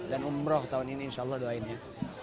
dan umroh tahun ini insyaallah doain ya